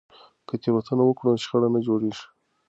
که تیریدنه وکړو نو شخړه نه جوړیږي.